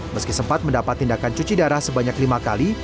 meski sempat mendapat tindakan cuci darah sebanyak lima kali